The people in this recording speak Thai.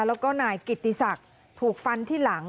แล้วก็นายกิตติศักดิ์ถูกฟันที่หลัง